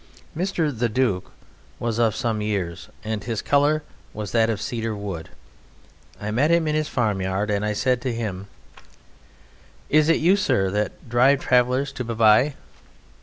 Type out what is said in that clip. Mr. The Duke was of some years, and his colour was that of cedar wood. I met him in his farmyard, and I said to him: "Is it you, sir, that drive travellers to Bavai?"